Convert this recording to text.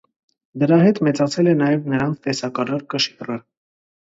Դրա հետ մեծացել է նաև նրանց տեսակարար կշիռը։